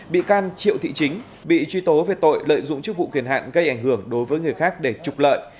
bị can triệu thị chính bị truy tố về tội lợi dụng chức vụ kiền hạn gây ảnh hưởng đối với người khác để trục lợi